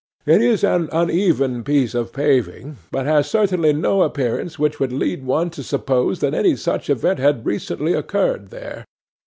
It is an uneven piece of paving, but has certainly no appearance which would lead one to suppose that any such event had recently occurred there.